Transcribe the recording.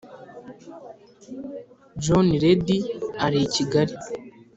john reddy ari i kigali